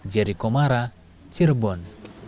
jeri komara cirebon